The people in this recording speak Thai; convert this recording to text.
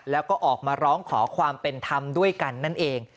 แล้วก็ออกมาร้องขอความเป็นธรรมด้วยกันนั่นเอง